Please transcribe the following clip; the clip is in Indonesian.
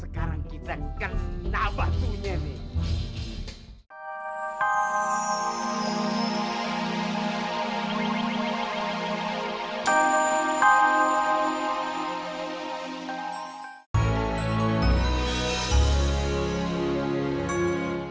sekarang kita kan nabah dunia nih